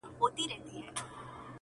پښتون یم زه